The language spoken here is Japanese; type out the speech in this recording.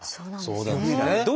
そうなんですね。